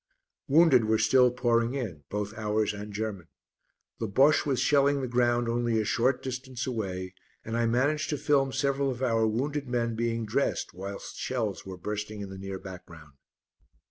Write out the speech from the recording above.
Wounded were still pouring in, both ours and German. The Bosche was shelling the ground only a short distance away and I managed to film several of our wounded men being dressed whilst shells were bursting in the near background.